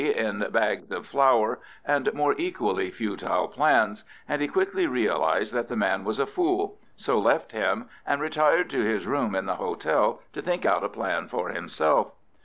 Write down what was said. in bags of flour, and more equally futile plans, and he quickly realised that the man was a fool, so left him and retired to his room in the hotel to think out a plan for himself.